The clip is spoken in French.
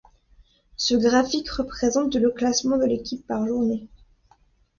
Ce graphique représente le classement de l'équipe par journée.